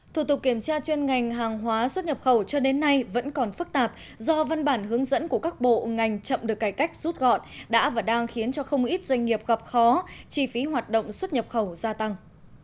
thủ tục kiểm tra chuyên ngành hàng hóa xuất nhập khẩu cho đến nay vẫn còn phức tạp do văn bản hướng dẫn của các bộ ngành chậm được cải cách rút gọn đã và đang khiến cho không ít doanh nghiệp gặp khó chi phí hoạt động xuất nhập khẩu gia tăng